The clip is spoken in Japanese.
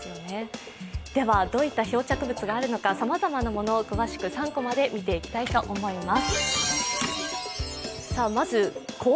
どういった漂着物があるのかさまざまなものを詳しく３コマで見ていきたいと思います。